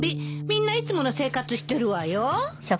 みんないつもの生活してるわよ。